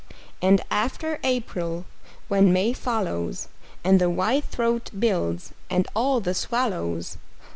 And after April, when May follows, And the whitethroat builds, and all the swallows!